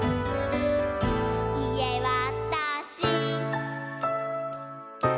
「いえわたし！」